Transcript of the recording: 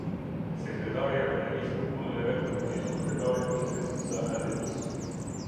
Sekretari i Akademisë për punën e vet i përgjigjet Kryetarit dhe Kryesisë së Akademisë.